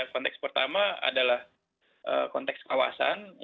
konteks pertama adalah konteks kawasan